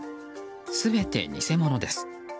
全て偽物です。